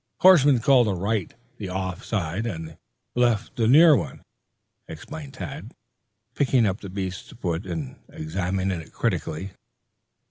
Horsemen call the right the off side, and the left the near one," explained Tad, picking up the beast's foot and examining it critically.